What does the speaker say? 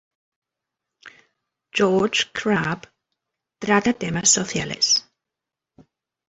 George Crabbe trata temas sociales.